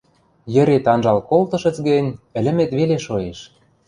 Йӹрет анжал колтышыц гӹнь, ӹлӹмет веле шоэш...